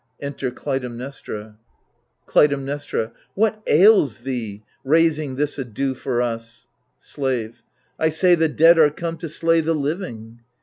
[Enter Clytemnestra, Clytemnestra Wliat ails thee, raising this ado for us ? Slave I say the dead are come to slay the living.